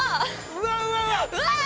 うわ。